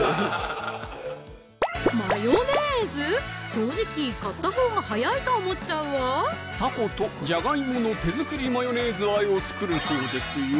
正直買ったほうが早いと思っちゃうわ「タコとじゃがいもの手作りマヨネーズ和え」を作るそうですよ